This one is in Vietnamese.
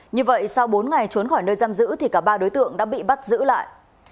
như vậy sau bốn ngày trốn khỏi nơi giam giữ thì cả ba đối tượng đã bị bắt giữ lại